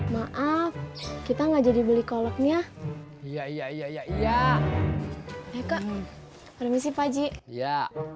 maaf kita nggak jadi beli kolaknya ya ya ya ya ya ya kek remisi pak ji ya